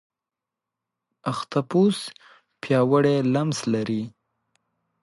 اختاپوس پیاوړی لمس لري.